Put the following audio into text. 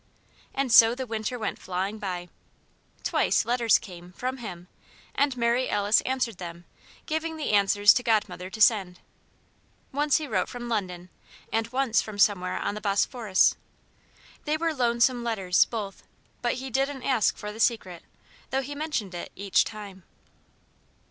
And so the winter went flying by. Twice, letters came from him; and Mary Alice answered them, giving the answers to Godmother to send. Once he wrote from London, and once from somewhere on the Bosphorus. They were lonesome letters, both; but he didn't ask for the Secret, though he mentioned it each time.